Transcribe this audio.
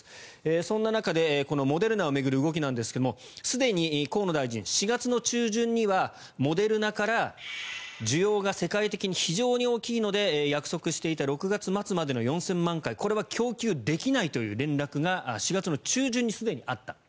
そんな中でモデルナを巡る動きですがすでに河野大臣は４月中旬にはモデルナから需要が世界的に非常に大きいので約束していた６月末までの４０００万回これは供給できないという連絡が４月中旬にすでにあった。